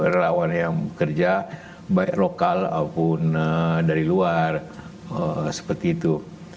relawan yang bekerja baik lokal dari luar seperti itu